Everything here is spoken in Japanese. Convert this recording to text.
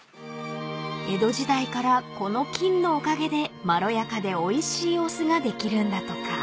［江戸時代からこの菌のおかげでまろやかでおいしいお酢ができるんだとか］